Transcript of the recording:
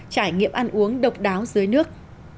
trải nghiệm ăn uống độc đáo dưới nước